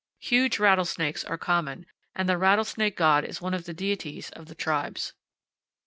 Huge rattlesnakes are common, and the rattlesnake god is one of the deities of the tribes.